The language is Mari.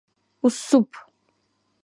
— Уссуп!